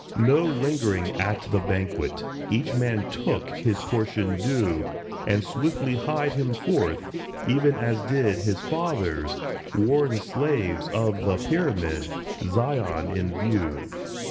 No lingering at the banquet ; each man took His portion due, And swiftly hied him forth, even as did His fathers, worn slaves of the pyramid, Zion in view.